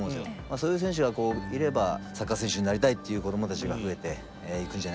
そういう選手がいればサッカー選手になりたいっていう子どもたちが増えていくんじゃないかなと思いますね。